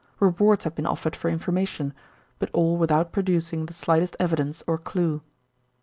Rewards had been offered for information; but all without producing the slightest evidence or clue.